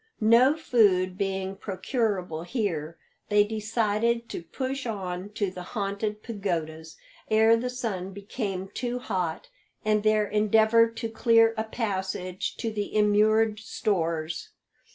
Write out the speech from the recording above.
No food being procurable here, they decided to push oh to the Haunted Pagodas ere the sun became too hot, and there endeavour to clear a passage to the immured stores.